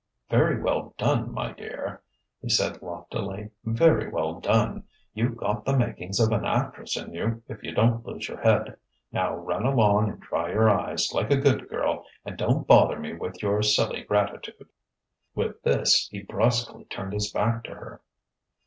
"Very well done, my dear," he said loftily; "very well done. You've got the makings of an actress in you, if you don't lose your head. Now run along and dry your eyes, like a good girl, and don't bother me with your silly gratitude." With this he brusquely turned his back to her.